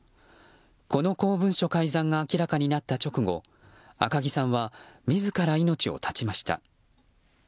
この公文書改ざんが明らかになった直後赤木さんは自ら命を絶ちました。